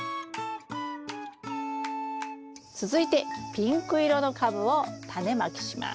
続いてピンク色のカブをタネまきします。